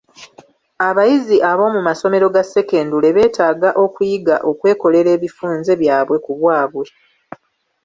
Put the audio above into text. Abayizi ab'omu masomero ga Sekendule beetaaga okuyiga okwekolera ebifunze byabwe ku bwabwe.